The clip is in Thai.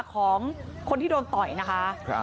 ของคนที่โดนต่อยนะคะ